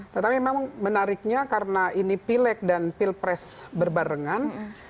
tetapi memang menariknya karena ini pileg dan pilpres berbarengan